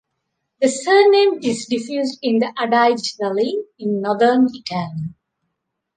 The surname is diffused in the Adige Valley in northern Italy.